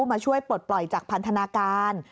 มาช่วยปลดปล่อยจากพันธนาการ